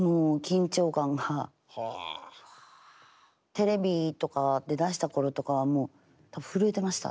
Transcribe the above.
テレビとか出だした頃とかはもう震えてました